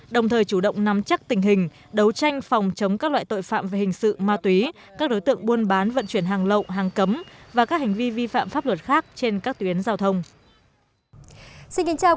đồng thời chủ động nắm chắc tình hình đấu tranh phòng chống các loại tội phạm về hình sự ma túy các đối tượng buôn bán vận chuyển hàng lậu hàng cấm và các hành vi vi phạm pháp luật khác trên các tuyến giao thông